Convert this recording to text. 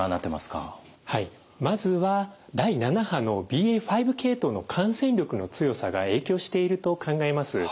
はいまずは第７波のＢＡ．５系統の感染力の強さが影響していると考えます。